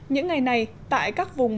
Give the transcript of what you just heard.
những ngày này tại các vùng